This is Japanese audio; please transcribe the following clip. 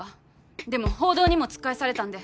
でも報道にも突っ返されたんで。